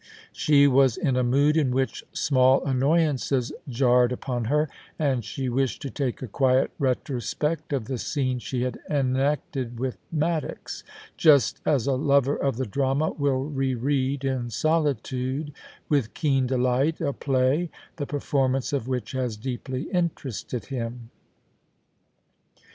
She was in a mood in which small annoyances jarred upon her, and she wished to take a quiet retrospect of the scene she had enacted with Maddox ; just as a lover of the drama will re read, in solitude, with keen delight a play, the performance of which has deeply interested him.